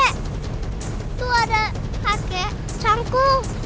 itu ada kakek canggul